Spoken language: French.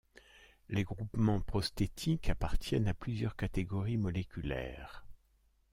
Les groupements prosthétiques appartiennent à plusieurs catégories moléculaires.